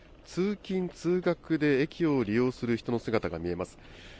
通勤通学で駅を利用する人の姿が見えます。